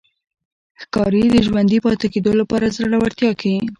ښکاري د ژوندي پاتې کېدو لپاره زړورتیا ښيي.